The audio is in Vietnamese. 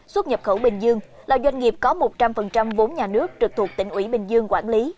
xuất nhập khẩu bình dương là doanh nghiệp có một trăm linh vốn nhà nước trực thuộc tỉnh ủy bình dương quản lý